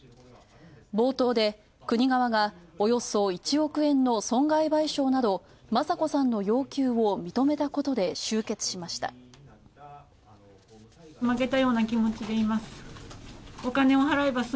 冒頭で国側がおよそ１億円の損害賠償など、雅子さんの要求を認めたことで終結しました。